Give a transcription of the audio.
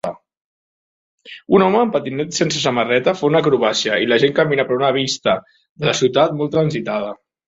Un home amb patinet sense samarreta fa una acrobàcia i la gent camina per una vista de la ciutat molt transitada.